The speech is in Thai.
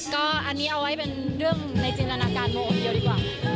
ก็อันนี้เอาไว้เป็นเรื่องในจินตนาการโมคนเดียวดีกว่า